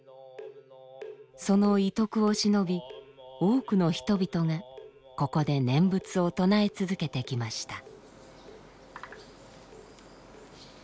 その遺徳をしのび多くの人々がここで念仏を唱え続けてきました。